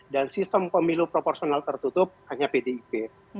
dan sistem pemilu proporsional tertutup hanya pdip